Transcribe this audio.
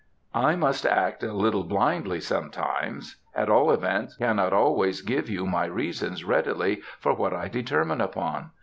I must act a little blindly, sometimes,—at all events, cannot always give you my reasons readily for what I determine upon.